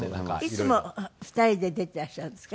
いつも２人で出ていらっしゃるんですか？